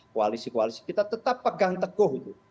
koalisi koalisi kita tetap pegang teguh itu